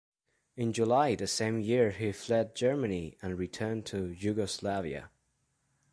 In July the same year he fled Germany and returned to Yugoslavia.